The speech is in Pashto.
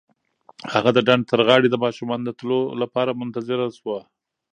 هغه د ډنډ تر غاړې د ماشومانو د تلو لپاره منتظره شوه.